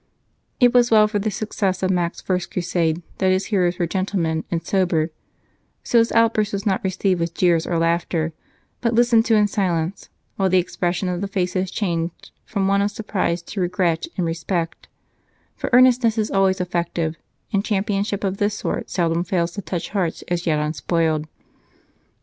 It was well for the success of Mac's first crusade that his hearers were gentlemen and sober, so his outburst was not received with jeers or laughter but listened to in silence, while the expression of the faces changed from one of surprise to regret and respect, for earnestness is always effective and championship of this sort seldom fails to touch hearts as yet unspoiled.